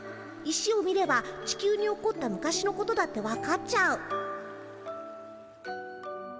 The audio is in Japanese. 石を見れば地球に起こった昔のことだってわかっちゃう。